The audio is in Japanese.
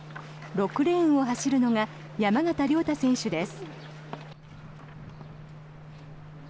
６レーンを走るのが山縣亮太選手です。